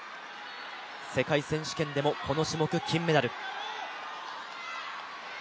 世界選手権でもこの種目金メダル。